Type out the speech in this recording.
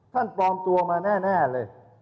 ปลอมตัวมาแน่เลย